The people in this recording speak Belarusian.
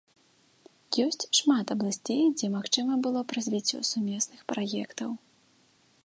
Ёсць шмат абласцей, дзе магчыма было б развіццё сумесных праектаў.